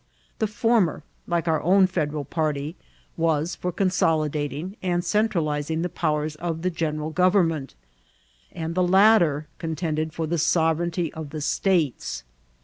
The former, like our own Federal party, was. for consolida^ ting and centralizing the powers of the general gov ernment, and the latter contended for the sovereignty of the states.